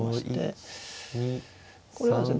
これはですね